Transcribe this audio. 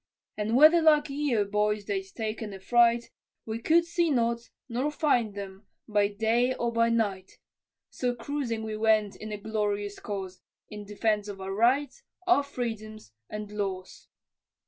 And whether like Yeo, boys, they'd taken affright, We could see not, nor find them by day or by night; So cruising we went in a glorious cause, In defence of our rights, our freedom, and laws.